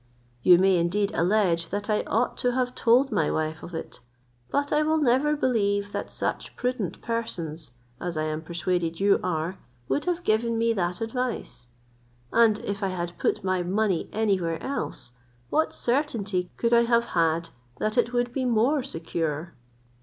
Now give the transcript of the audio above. You may indeed allege, that I ought to have told my wife of it; but I will never believe that such prudent persons, as I am persuaded you are, would have given me that advice; and if I had put my money anywhere else, what certainty could I have had that it would be more secure?"